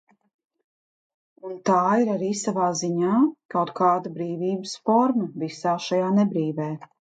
Un tā ir arī savā ziņā kaut kāda brīvības forma visā šajā nebrīvē.